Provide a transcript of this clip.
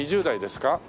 ２０代ですか？